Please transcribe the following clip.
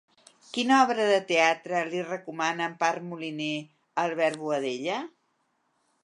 Quina obra de teatre li recomana Empar Moliner a Albert Boadella?